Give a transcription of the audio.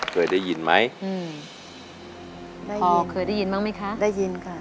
เพื่อได้ยินไหมอืมได้ยินอ๋อเคยได้ยินบ้างไหมคะได้ยินค่ะ